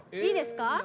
いいですか？